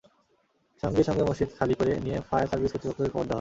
সঙ্গে সঙ্গে মসজিদ খালি করে দিয়ে ফায়ার সার্ভিস কর্তৃপক্ষকে খবর দেওয়া হয়।